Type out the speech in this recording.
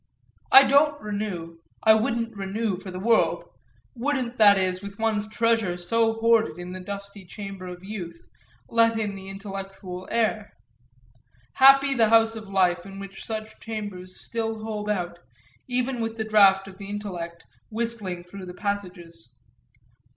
I don't renew, I wouldn't renew for the world; wouldn't, that is, with one's treasure so hoarded in the dusty chamber of youth, let in the intellectual air. Happy the house of life in which such chambers still hold out, even with the draught of the intellect whistling through the passages.